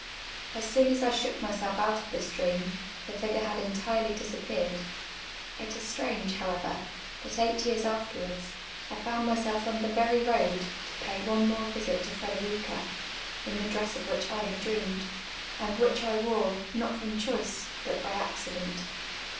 As soon as I shook myself out of this dream, the fipn e had entirely disappeared. It is strange, however, that ei<::lit years afterwards. I found myself on the very road, to pay one more visit to Trederica, in tlu' dress of wliicli I had dreamed, and which I wore, not from choice, but by accident.